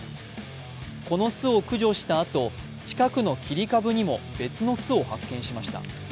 この巣を駆除したあと近くの切り株にも別の巣を発見しました。